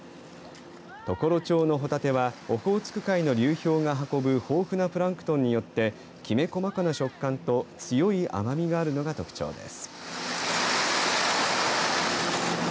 常呂町のホタテはオホーツク海の流氷が運ぶ豊富なプランクトンによってきめ細かな食感と強い甘みがあるのが特徴です。